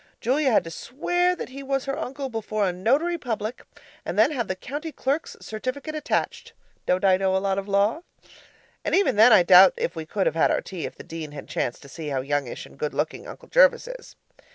Julia had to swear that he was her uncle before a notary public and then have the county clerk's certificate attached. (Don't I know a lot of law?) And even then I doubt if we could have had our tea if the Dean had chanced to see how youngish and good looking Uncle Jervis is.